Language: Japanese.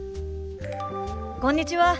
こんにちは。